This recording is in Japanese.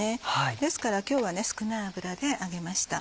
ですから今日は少ない油で揚げました。